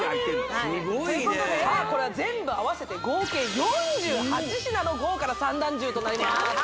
すごいねさあこれは全部合わせて合計４８品の豪華な三段重となります